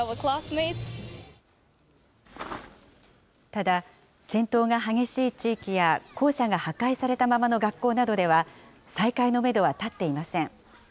ただ、戦闘が激しい地域や、校舎が破壊されたままの学校などでは、再開のメドは立っていません。